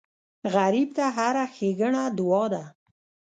غریب ته هره ښېګڼه دعا ده